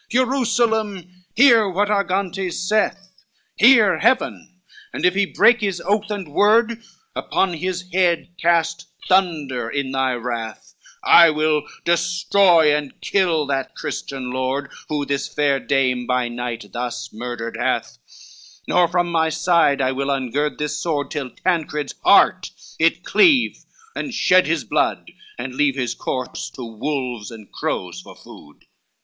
CIV "Jerusalem, hear what Argantes saith, Hear Heaven, and if he break his oath and word, Upon this head cast thunder in thy wrath: I will destroy and kill that Christian lord Who this fair dame by night thus murdered hath, Nor from my side I will ungird this sword Till Tancred's heart it cleave, and shed his blood, And leave his corpse to wolves and crows for food."